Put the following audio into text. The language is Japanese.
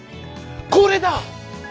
これだ！